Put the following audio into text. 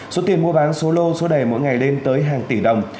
số tiền mua bán số lô số đề mỗi ngày lên tới hàng tỷ đồng